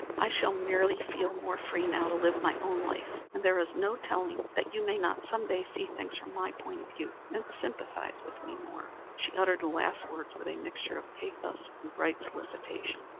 I shall merely feel more free now to live my own life and there is no telling that you may not some day see things from my point of view and sympathize with me more." She uttered the last words with a mixture of pathos and bright solicitation.